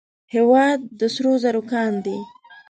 هیواد د سرو زرو کان دی